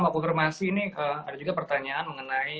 pak gubernur masih ini ada juga pertanyaan mengenai